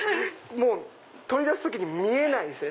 もう取り出す時に見えないですね